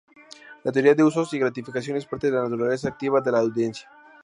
La teoría de usos y gratificaciones parte de la naturaleza activa de la audiencia.